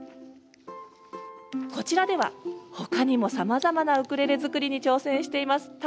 こちらでは、ほかにもさまざまなウクレレ作りに挑戦しています。